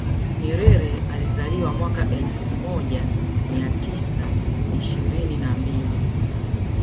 nyerere alizaliwa mwaka elfu moja mia tisa ishirini na mbili